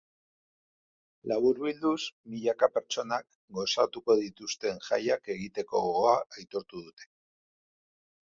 Laburbilduz, milaka pertsonak gozatuko dituzten jaiak egiteko gogoa aitortu dute.